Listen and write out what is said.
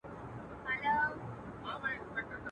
زه سلطان یم د هوا تر آسمانونو.